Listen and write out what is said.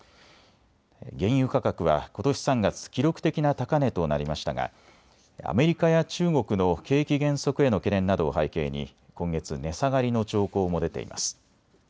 原油価格はことし３月、記録的な高値となりましたがアメリカや中国の景気減速への懸念などを背景に今月、値下がりの兆候も出ています。